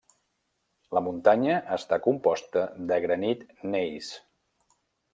La muntanya està composta de granit gneis.